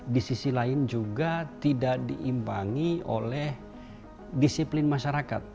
di sisi lain juga tidak diimbangi oleh disiplin masyarakat